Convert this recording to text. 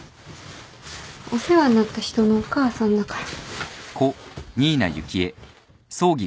お世話になった人のお母さんだから。